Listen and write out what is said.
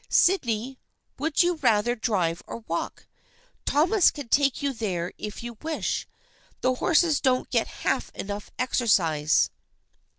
Sydney, would you rather drive or walk ? Thomas can take you there if you wish. The horses don't get half enough exer cise."